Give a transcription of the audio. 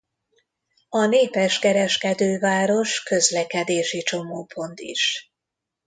A népes kereskedőváros közlekedési csomópont is.